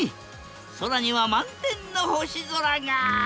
空には満天の星空が！